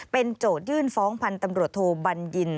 เป็นโจทย์ยื่นฟ้องพันธมรวชโทบันยิน